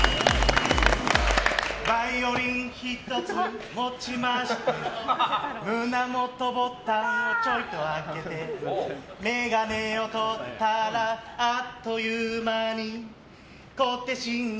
バイオリン１つ持ちまして胸元ボタンをちょいと開けてメガネを取ったらあっという間に小手伸也。